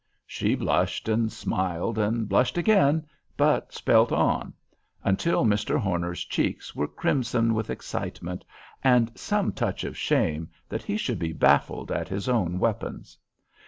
She blushed, and smiled, and blushed again, but spelt on, until Mr. Horner's cheeks were crimson with excitement and some touch of shame that he should be baffled at his own weapons.